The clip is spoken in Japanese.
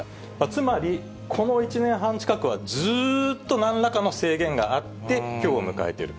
つまりこの１年半近くは、ずっとなんらかの制限があって、きょうを迎えている。